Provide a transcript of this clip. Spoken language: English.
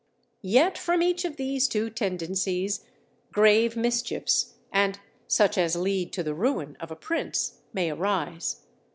Yet from each of these two tendencies, grave mischiefs, and such as lead to the ruin of a prince, may arise.